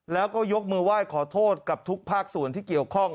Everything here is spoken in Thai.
แล้วก็ยกมือไหว้ขอโทษกับทุกภาคส่วนที่เกี่ยวข้อง